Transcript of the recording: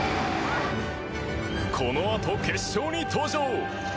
このあと決勝に登場！